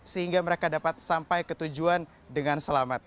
sehingga mereka dapat sampai ke tujuan dengan selamat